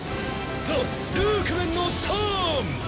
ザ・ルークメンのターン！